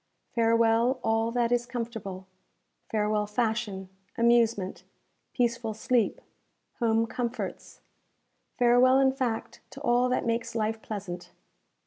Farewell, all that is comfortable Farewell, fashion, amusement, peaceful sleep, home comforts Farewell, in fact, to all that makes life pleasant!